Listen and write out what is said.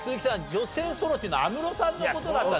女性ソロっていうのは安室さんの事だった。